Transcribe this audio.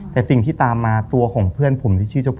แต่สิ่งที่ตามมาตัวของเพื่อนผม